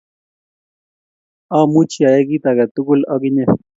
Amuchi ayai kit age tugul ak inye